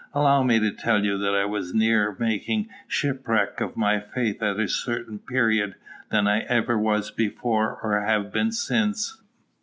Allow me to tell you that I was nearer making shipwreck of my faith at a certain period than I ever was before or have been since.